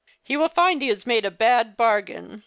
He will find he has made a bad bargain.